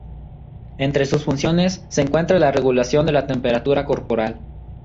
Entre sus funciones se encuentra la regulación de la temperatura corporal.